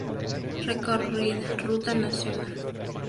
Recorrido: Ruta Nac.